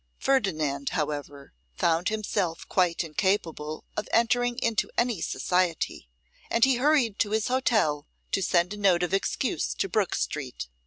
Ferdinand, however, found himself quite incapable of entering into any society, and he hurried to his hotel to send a note of excuse to Brook street.